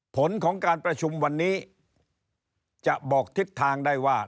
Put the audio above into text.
ผลของการประชุมวันนี้จะบอกทิศทางได้ว่า